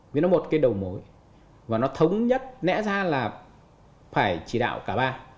vì nó một cái đầu mối và nó thống nhất nẽ ra là phải chỉ đạo cả ba